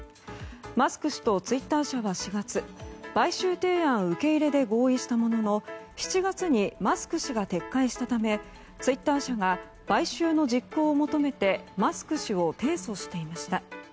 マスク氏とツイッター社は４月買収提案受け入れで合意したものの７月にマスク氏が撤回したためツイッター社が買収の実行を求めてマスク氏を提訴していました。